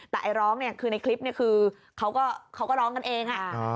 แต่ไอ้ร้องในคลิปคือเขาก็ร้องกันเอง